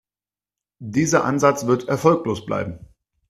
Dieser Ansatz wird erfolglos bleiben.